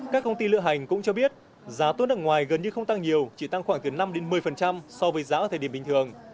các công ty lựa hành cũng cho biết giá tour nước ngoài gần như không tăng nhiều chỉ tăng khoảng từ năm một mươi so với giá ở thời điểm bình thường